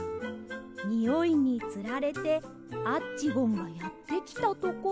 においにつられてアッチゴンがやってきたところで。